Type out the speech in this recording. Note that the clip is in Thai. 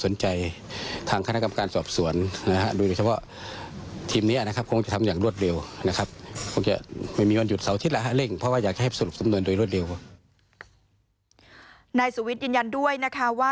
ว่ากระบวนการสอบสวน